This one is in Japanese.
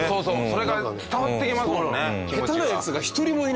それが伝わってきますもんね。